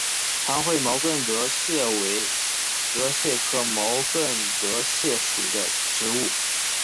长喙毛茛泽泻为泽泻科毛茛泽泻属的植物。